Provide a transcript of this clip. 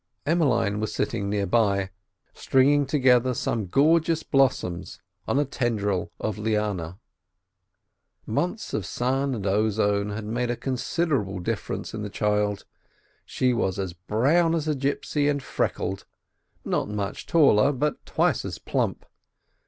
Emmeline was sitting near by, stringing together some gorgeous blossoms on a tendril of liana. Months of sun and ozone had made a considerable difference in the child. She was as brown as a gipsy and freckled, not very much taller, but twice as plump.